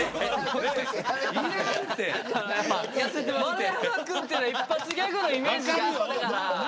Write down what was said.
丸山くんから一発ギャグのイメージがあったから。